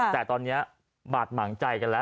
แต่ตอนนี้บาดหมางใจกันแล้ว